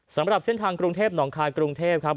สำหรับเส้นทางกรุงเทพหนองคายกรุงเทพครับ